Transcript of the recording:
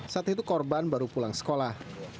saat itu korban baru pulang sekolah